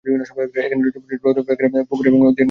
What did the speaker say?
এখানে রয়েছে প্রচুর হ্রদ, পুকুর এবং আদিয়ার নদীর তটরেখা।